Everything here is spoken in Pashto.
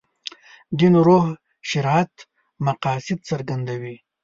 دین روح شریعت مقاصد څرګند دي.